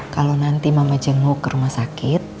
kalau nanti mama jenguk ke rumah sakit